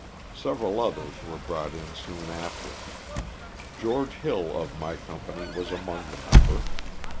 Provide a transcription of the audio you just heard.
Several others were brought in soon after. George Hill of my company was among the number.